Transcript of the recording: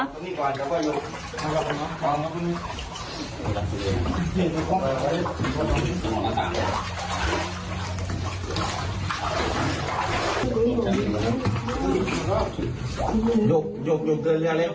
เปลื้องกับเห็นนั่นไม่เปลื้องกันไม่